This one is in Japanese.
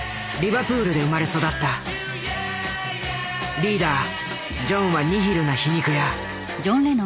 リーダージョンはニヒルな皮肉屋。